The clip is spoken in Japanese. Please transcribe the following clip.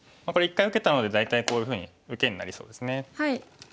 これ一回受けたので大体こういうふうに受けになりそうですね。